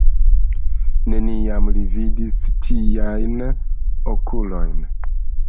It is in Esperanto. Neniam li vidis tiajn okulojn.